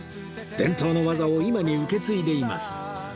伝統の技を今に受け継いでいます